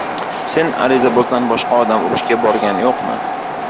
— Sen arizabozdan boshqa odam urushga borgan yo‘qmi?